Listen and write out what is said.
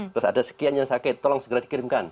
terus ada sekian yang sakit tolong segera dikirimkan